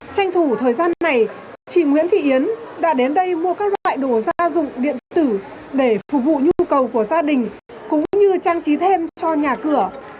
tranh thủ thời gian này chị nguyễn thị yến đã đến đây mua các loại đồ gia dụng điện tử để phục vụ nhu cầu của gia đình cũng như trang trí thêm cho nhà cửa